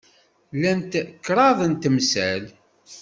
Llant kraḍ n temsal.